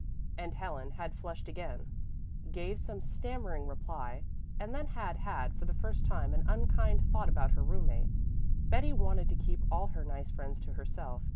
And Helen had flushed again, gave some stammering reply and then had had for the first time an unkind thought about her roommate. Betty wanted to keep all her nice friends to herself.